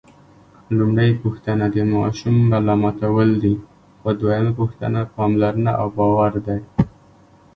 لومړۍ پوښتنه د ماشوم ملامتول دي، خو دویمه پوښتنه پاملرنه او باور دی.